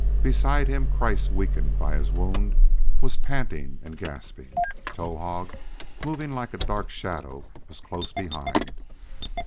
Beside him, Kreiss, weakened by his wound, was panting and gasping; Towahg, moving like a dark shadow, was close behind.